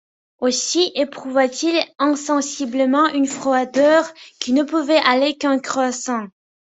Aussi éprouva-t-il insensiblement une froideur qui ne pouvait aller qu’en croissant.